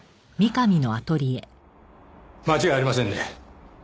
間違いありませんね。